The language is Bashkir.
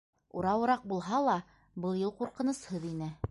Урауыраҡ булһа ла, был юл ҡурҡынысһыҙ ине.